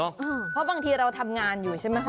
เพราะบางทีเราทำงานอยู่ใช่ไหม